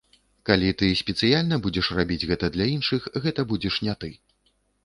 Калі ты спецыяльна будзеш рабіць гэта для іншых, гэта будзеш не ты.